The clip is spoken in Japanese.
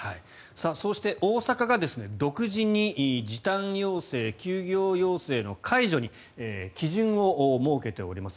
そして、大阪が独自に時短要請、休業要請の解除に基準を設けております。